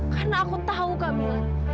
karena aku tahu kamilah